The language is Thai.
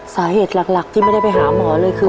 สาเหตุหลักที่ไม่ได้ไปหาหมอเลยคือ